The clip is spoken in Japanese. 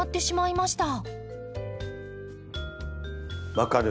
分かる。